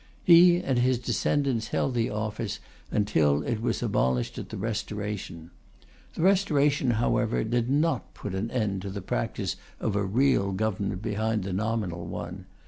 He and his descendants held the office until it was abolished at the Restoration. The Restoration, however, did not put an end to the practice of a real Government behind the nominal one.